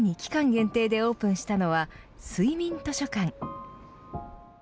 今日から都内に期間限定でオープンしたのは睡眠図書館。